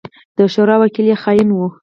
د شورا وکيل يې خائن وو.